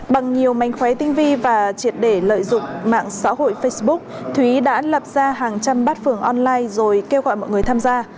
bằng nhiều mánh khóe tinh vi và triệt để lợi dụng mạng xã hội facebook thúy đã lập ra hàng trăm bát phưởng online rồi kêu gọi mọi người tham gia